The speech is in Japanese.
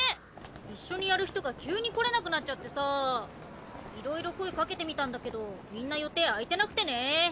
一緒にやる人が急に来られなくなっちゃってさぁいろいろ声かけてみたんだけどみんな予定空いてなくてね。